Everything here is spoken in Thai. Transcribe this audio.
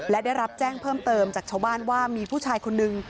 และได้รับแจ้งเพิ่มเติมจากชาวบ้านว่ามีผู้ชายคนนึง